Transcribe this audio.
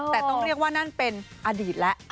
แต่ต้องเรียกว่านั่นเป็นอดีตแล้ว